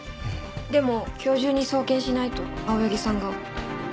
でも今日中に送検しないと青柳さんが。